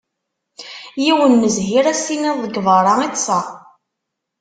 Yiwen n zzhir ad s-tiniḍ deg berra i ṭṭseɣ.